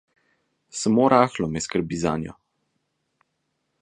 Samo rahlo me skrbi zanjo.